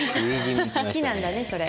好きなんだねそれ。